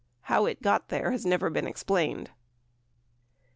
How it got there has never been explained.